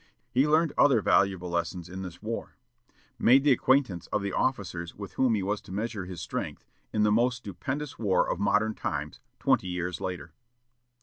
He learned other valuable lessons in this war; made the acquaintance of the officers with whom he was to measure his strength, in the most stupendous war of modern times, twenty years later.